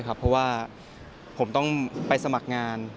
เพราะว่าผมต้องไปสมัครงาน